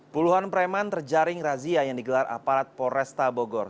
puluhan preman terjaring razia yang digelar aparat pores tabogor